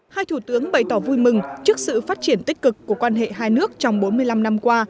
hai thủ tướng bày tỏ vui mừng trước sự phát triển tích cực của quan hệ hai nước trong bốn mươi năm năm qua